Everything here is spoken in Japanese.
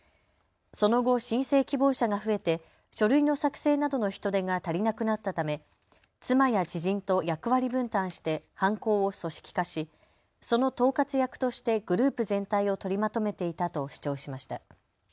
その後、申請希望者が増えて書類の作成などの人手が足りなくなったため妻や知人と役割分担して犯行を組織化し、その統括役としてグループ全体を取りまとめていたと主張しました。